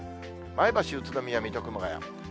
前橋、宇都宮、水戸、熊谷。